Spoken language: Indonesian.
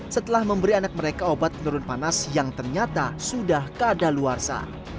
setelah memberi anak mereka obat penurun panas yang ternyata sudah keadaan luar sa